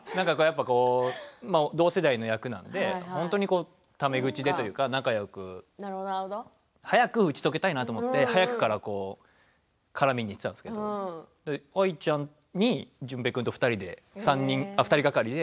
同世代の役なのでため口というか仲よく早く打ち解けたいなと思って早く絡みにいっていたんですが愛ちゃんに淳平君と２人で２人がかりで。